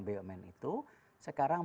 bumn itu sekarang